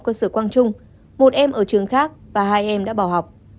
trong sửa quang trung một em ở trường khác và hai em đã bỏ học